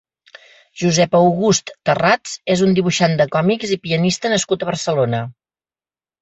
Joseph August Tharrats és un dibuixant de còmics i pianista nascut a Barcelona.